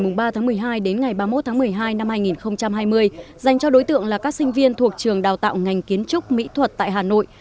cuộc thi diễn ra từ ngày ba mươi một một mươi hai hai nghìn hai mươi dành cho đối tượng là các sinh viên thuộc trường đào tạo ngành kiến trúc mỹ thuật tại hà nội